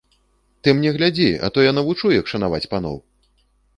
Ты мне глядзі, а то я навучу, як шанаваць паноў!